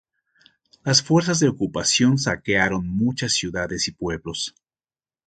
Las fuerzas de ocupación saquearon muchas ciudades y pueblos.